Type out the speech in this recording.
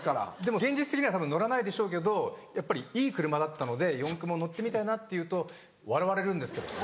現実的には乗らないでしょうけどやっぱりいい車だったので四駆も乗ってみたいなって言うと笑われるんですけどもね。